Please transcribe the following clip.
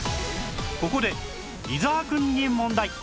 ここで伊沢くんに問題